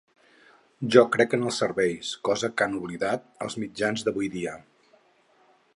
Jo crec en els serveis, cosa que han oblidat els mitjans d’avui dia.